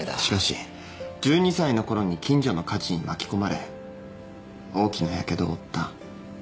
しかし１２歳のころに近所の火事に巻き込まれ大きなやけどを負った。